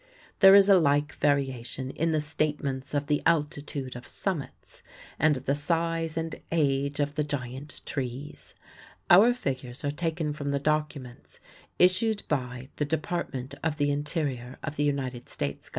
There is a like variation in the statements of the altitude of summits, and the size and age of the giant trees. Our figures are taken from the documents issued by the Department of the Interior of the United States Government.